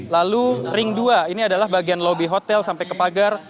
lalu ring dua ini adalah bagian lobby hotel sampai ke pagar